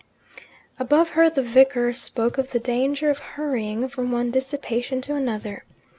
Above her the vicar spoke of the danger of hurrying from one dissipation to another.